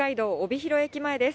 広駅前です。